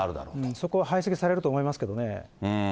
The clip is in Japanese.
そこは排斥されると思いますけどね。